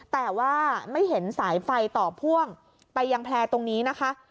แต่ว่าไม่เห็นสายไฟต่อพ่วงไปยังแพร่ตรงนี้นะคะ